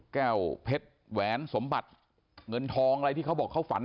แก้วเพชรแหวนสมบัติเงินทองอะไรที่เขาบอกเขาฝัน